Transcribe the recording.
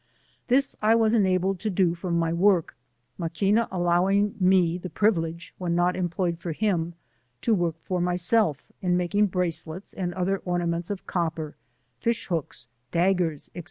This I was enabled to do from my work, Maquina allowing me the privilege, when cot employed for him, to work for myself in making bracelets and other ornairents of copper, fish hooks, daggers, &c.